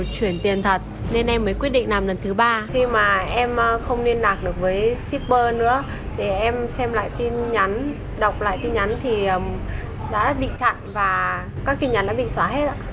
các tin nhắn đã bị xóa hết ạ